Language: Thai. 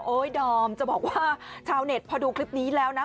ดอมจะบอกว่าชาวเน็ตพอดูคลิปนี้แล้วนะ